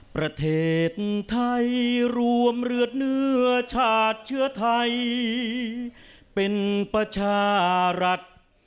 ประเทศไทยรวมเลือดเนื้อชาติเชื้อไทยเป็นประชารัฐ